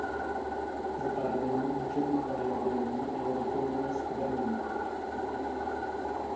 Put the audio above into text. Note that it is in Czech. Zbarvení může být variabilní a je doplněné skvrnami.